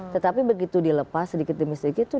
tetapi begitu dilepas sedikit demi sedikit